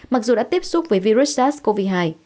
mặc dù đã tiếp xúc với virus sars cov hai